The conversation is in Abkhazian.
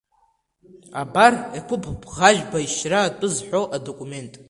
Абар Еқәыԥ Бӷажәба ишьра атәы зҳәо адокумент…